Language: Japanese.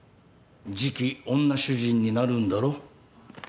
次期女主人になるんだろ？